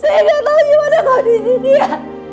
saya gak tahu gimana kalau disini ya